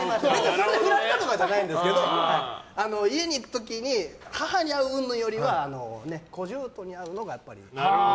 それでフラれたとかじゃないんですけど家にいる時に母に会ううんぬんよりは小姑に会うのがっていう。